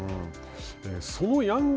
そのヤング